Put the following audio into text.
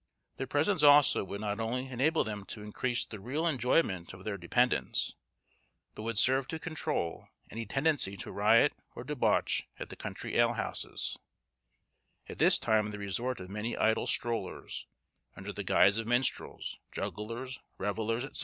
Their presence also would not only enable them to increase the real enjoyment of their dependents, but would serve to controul any tendency to riot or debauch at the country alehouses, at this time the resort of many idle strollers, under the guise of minstrels, jugglers, revellers, &c.